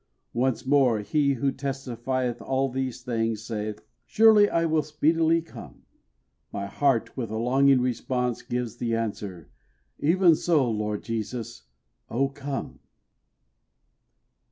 Once more He who testifieth all these things saith: "Surely I will speedily come." My heart, with a longing response, gives the answer: "Even so, Lord Jesus! oh come!"